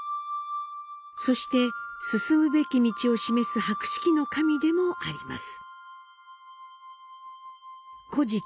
そして進むべき道を示す博識の神でもあります。